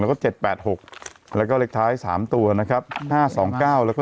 แล้วก็เจ็ดแปดหกแล้วก็เลขท้ายสามตัวนะครับห้าสองเก้าแล้วก็